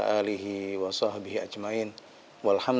kali ini gue nengok jenis bengkel yang kayak wearing pants